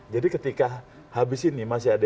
jadi ketika habis ini masih ada